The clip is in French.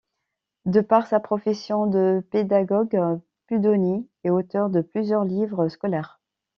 De par sa profession de pédagogue, Pludonis est auteur de plusieurs livres scolaires.